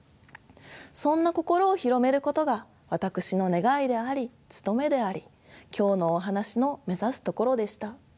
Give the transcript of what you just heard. そんな心を広めることが私の願いであり務めであり今日のお話の目指すところでした。